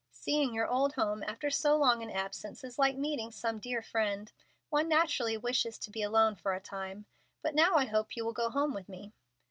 "Seeing your old home after so long an absence is like meeting some dear friend. One naturally wishes to be alone for a time. But now I hope you will go home with me."